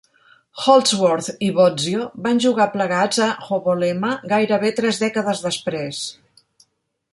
Holdsworth i Bozzio van jugar plegats a HoBoLeMa gairebé tres dècades després.